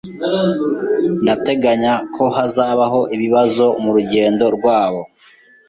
Ndateganya ko hazabaho ibibazo murugendo rwabo.